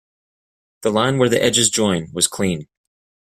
The line where the edges join was clean.